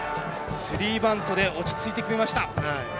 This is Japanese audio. スリーバントで落ち着いてくれました。